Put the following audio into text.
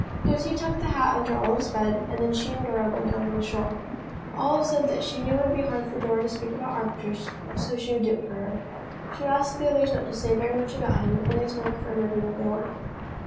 Lucy tucked the hat under Olive's bed and then she and Dora went down on the shore. Olive said that she knew it would be hard for Dora to speak about Arcturus, so she would do it for her. She would ask the others not to say very much about him, only to look for him everywhere they went.